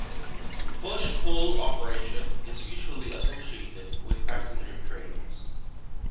Push-pull operation is usually associated with passenger trains.